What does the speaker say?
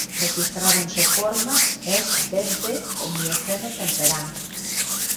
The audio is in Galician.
Rexistráronse formas es desde o mioceno temperán.